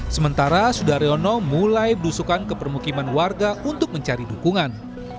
sementara sudaryono mulai berusukan ke permukiman warga untuk mencari dukungan